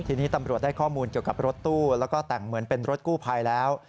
ทีนี้ตำรวจได้ข้อมูลเกี่ยวกับรถตู้แล้วก็แต่งเหมือนเป็นรถกู้ภัยแล้ว